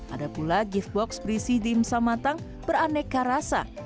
ada pula gift box berisi dimsum matang beraneka rasa